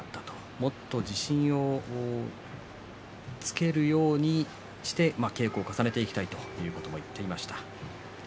もっと自信がつくように稽古を重ねていきたいという話をしていました。